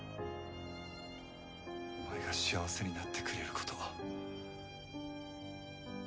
お前が幸せになってくれること。